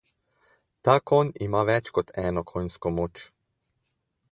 Ta konj ima več kot eno konjsko moč.